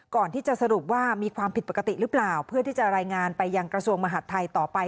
ก่อนที่จะสรุปว่ามีความผิดปกติหรือเปล่าเพื่อที่จะรายงานไปยังกระทรวงมหาดไทยต่อไป